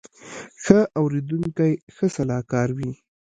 ښه اورېدونکی ښه سلاکار وي